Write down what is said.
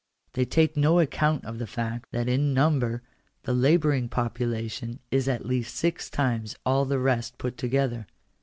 They take no account of the fact, that in number, the labour ing population is at least six times all the rest put together.